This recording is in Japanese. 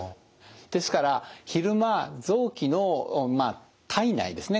ですから昼間臓器の体内ですね。